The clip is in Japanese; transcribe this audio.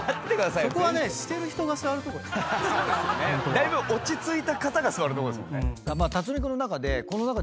だいぶ落ち着いた方が座るとこですもんね。